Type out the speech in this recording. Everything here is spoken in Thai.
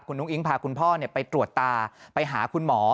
คุณอุ้งอิ๊งพาคุณพ่อไปตรวจตาไปหาคุณหมอ